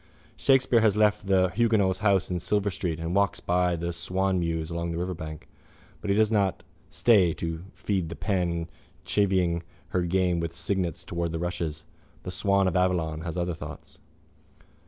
—Shakespeare has left the huguenot's house in Silver street and walks by the swanmews along the riverbank. But he does not stay to feed the pen chivying her game of cygnets towards the rushes. The swan of Avon has other thoughts.